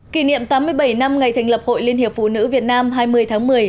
kỷ niệm tám mươi bảy năm ngày thành lập hội liên hiệp phụ nữ việt nam hai mươi tháng một mươi